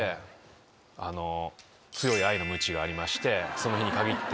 その日に限って。